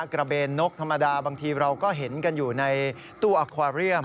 กระเบนนกธรรมดาบางทีเราก็เห็นกันอยู่ในตู้อัควาเรียม